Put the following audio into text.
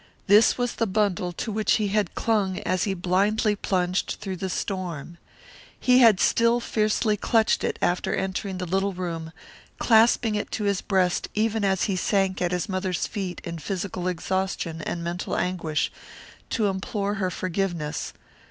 This was the bundle to which he had clung as he blindly plunged through the storm. He had still fiercely clutched it after entering the little room, clasping it to his breast even as he sank at his mother's feet in physical exhaustion and mental anguish, to implore her forgiveness.